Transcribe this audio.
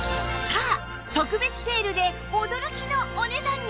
さあ特別セールで驚きのお値段に！